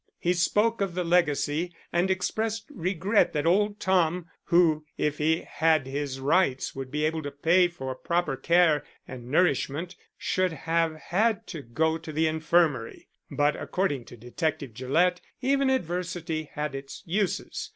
He spoke of the legacy and expressed regret that old Tom, who if he had his rights would be able to pay for proper care and nourishment, should have had to go to the infirmary. But, according to Detective Gillett, even adversity had its uses.